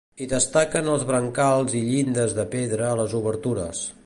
Hi destaquen els brancals i llindes de pedra a les obertures.